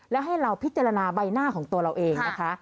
แล้วให้เราพิจารณาใบหน้าของตัวเราเองนะคะ